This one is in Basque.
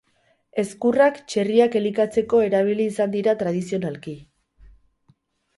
Ezkurrak txerriak elikatzeko erabili izan dira tradizionalki.